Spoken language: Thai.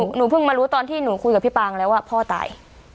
หนูเพิ่งมารู้ตอนที่หนูคุยกับพี่ปางแล้วว่าพ่อตาย